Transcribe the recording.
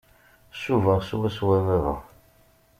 Cubaɣ swaswa baba.